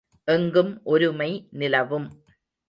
எங்கும் ஒருமை நிலவும்.